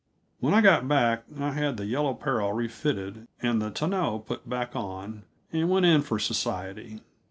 When I got back, I had the Yellow Peril refitted and the tonneau put back on, and went in for society.